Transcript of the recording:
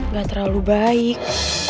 gak terlalu baik